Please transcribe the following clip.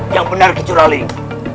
yang benar kecurah ling